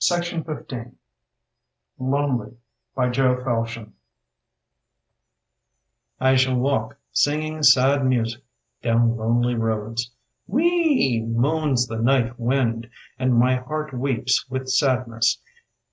SIMON PURE LONELY By Jo Felshin I SHALL walk, singing sad music Down lonely roads. Whee €€ e e e moans the night wind And my heart weeps with sadness.